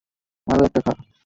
আরো একটা খা।